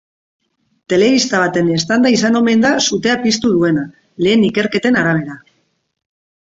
Telebista baten eztanda izan omen da sutea piztu duena, lehen ikerketen arabera.